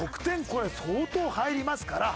これ相当入りますから。